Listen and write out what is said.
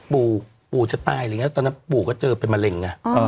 ปูจะตายตอนนั้นปูก็เจอใหม่มะเร็งอะ